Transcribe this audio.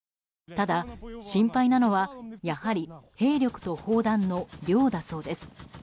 ただ心配なのは、やはり兵力と砲弾の量だそうです。